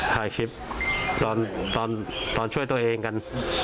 ถ่ายคลิปตอนช่วยตัวเองกัน